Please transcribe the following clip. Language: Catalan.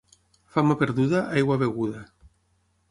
Fama perduda, aigua beguda.